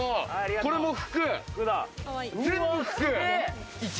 これも服？